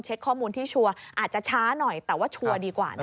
ข้อมูลที่ชัวร์อาจจะช้าหน่อยแต่ว่าชัวร์ดีกว่านะคะ